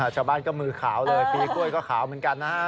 ชาวบ้านก็มือขาวเลยปีกล้วยก็ขาวเหมือนกันนะฮะ